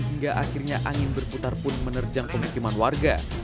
hingga akhirnya angin berputar pun menerjang pemukiman warga